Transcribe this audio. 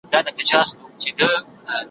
نه د ډیک غریب زړګی ورنه صبرېږي